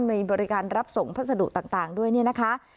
มีบริการรับส่งพัสดุต่างด้วยเนี่ยนะคะ